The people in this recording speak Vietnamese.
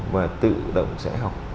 và tự động sẽ học